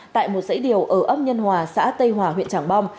tại một dãy điều ở ấp nhân hòa xã tây hòa huyện trảng bom